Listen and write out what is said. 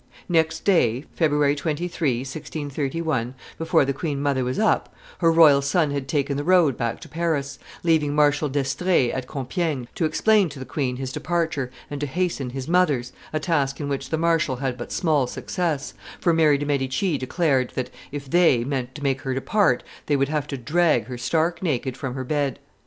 Next day, February 23, 1631, before the queen mother was up, her royal son had taken the road back to Paris, leaving Marshal D'Estrees at Compiegne to explain to the queen his departure and to hasten his mother's, a task in which the marshal had but small success, for Mary de' Medici declared that, if they, meant to make her depart, they would have to drag her stark naked from her bed.